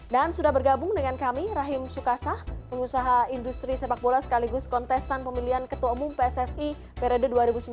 dan sudah bergabung dengan kami rahim sukasah pengusaha industri sepak bola sekaligus kontestan pemilihan ketua umum pssi periode dua ribu sembilan belas dua ribu dua puluh tiga